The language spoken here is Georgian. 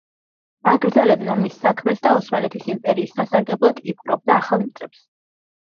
აგრძელებდა მის საქმეს და ოსმალეთის იმპერიის სასარგებლოდ იპყრობდა ახალ მიწებს.